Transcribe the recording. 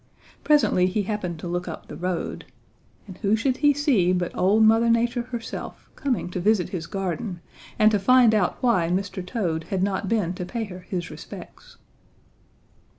Presently he happened to look up the road, and who should he see but old Mother Nature herself coming to visit his garden and to find out why Mr. Toad had not been to pay her his respects.